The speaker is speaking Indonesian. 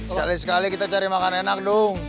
sekali sekali kita cari makan enak dong